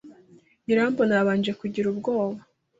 Irambona yabanje kugira ubwoba.